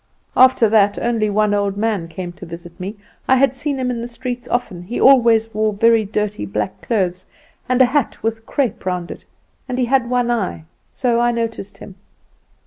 After that only one old man came to visit me. I had seen him in the streets often; he always wore very dirty black clothes, and a hat with crepe round it, and he had one eye, so I noticed him.